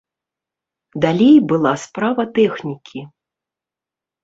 Далей была справа тэхнікі.